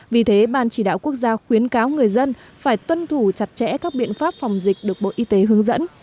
vì thế ban chỉ đạo quốc gia khuyến cáo người dân phải tuân thủ chặt chẽ các biện pháp phòng dịch được bộ y tế hướng dẫn